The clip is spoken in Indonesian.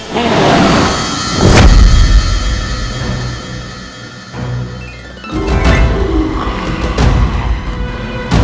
dan kita dapat terkabati dengan mereka